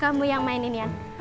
kamu yang mainin ya